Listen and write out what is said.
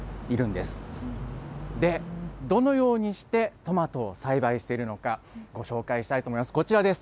で、どのようにしてトマトを栽培しているのか、ご紹介したいと思います。